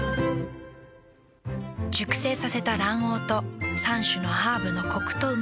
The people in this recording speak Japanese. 熟成させた卵黄と３種のハーブのコクとうま味。